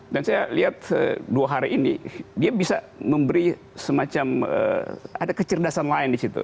dan saya lihat dua hari ini dia bisa memberi semacam ada kecerdasan lain di situ